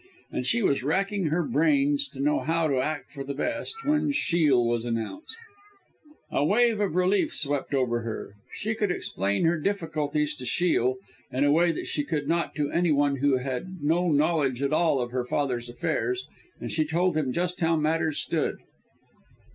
And she was racking her brains to know how to act for the best, when Shiel was announced. A wave of relief swept over her. She could explain her difficulties to Shiel, in a way that she could not to any one who had no knowledge at all of her father's affairs and she told him just how matters stood.